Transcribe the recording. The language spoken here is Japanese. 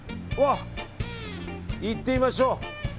行ってみましょう。